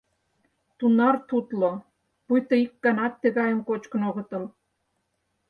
Тунар тутло, пуйто ик ганат тыгайым кочкын огытыл.